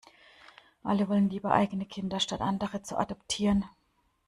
Alle wollen lieber eigene Kinder, statt andere zu adoptieren.